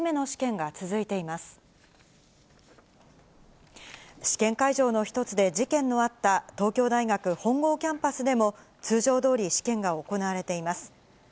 試験会場の一つで、事件のあった東京大学本郷キャンパスでも、通常どおり試験が行われています。